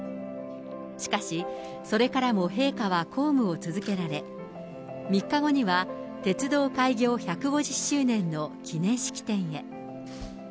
しかし、それからも陛下は公務を続けられ、３日後には鉄道開業１５０周年の記念式典へ。